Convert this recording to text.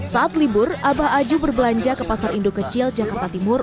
saat libur abah aju berbelanja ke pasar indo kecil jakarta timur